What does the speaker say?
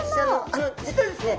あの実はですね